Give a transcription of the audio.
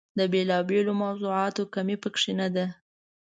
د بېلا بېلو موضوعاتو کمۍ په کې نه ده.